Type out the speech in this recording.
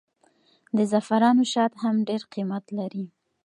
د زعفرانو شات هم ډېر قیمت لري.